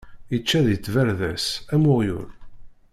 Ičča di tbarda-s, am uɣyul.